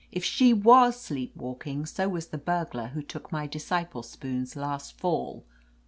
"If she was sleep walking, so was the burglar who took my disciple spoons last fall.